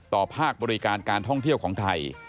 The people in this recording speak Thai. ภาคบริการการท่องเที่ยวของไทย